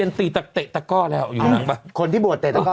เดี๋ยวแล้วยกช่อฝั่งไปอีกสัก๒๐๐๐บวช